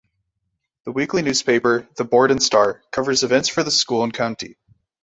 The weekly newspaper, the "Borden Star", covers events for the school and county.